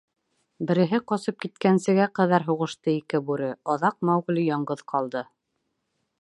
Береһе ҡасып киткәнсегә ҡәҙәр һуғышты ике бүре, аҙаҡ Маугли яңғыҙ ҡалды.